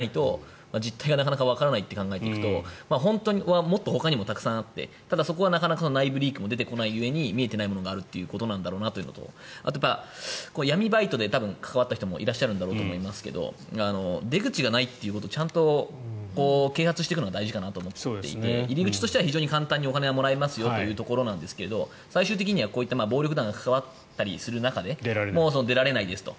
ここまで高度に組織的だと外からの情報は出てこなくて今回のようにＳＯＳで内部リークがあったみたいなことがないと実態がなかなかわからないと考えていくと本当はもっとほかにもたくさんあってそこはなかなか内部リークも出てこないが故に見えてないものがあるということなんだろうなというのとあと、闇バイトで関わった人もいらっしゃるんだろうと思いますが出口がないということをちゃんと啓発していくのが大事かなと思っていて入り口としては簡単にお金がもらえるんですが最終的には暴力団が関わったりする中で出られないですと。